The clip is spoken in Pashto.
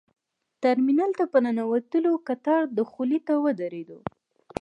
ترمینل ته په ننوتلو کتار دخولي ته ودرېدو.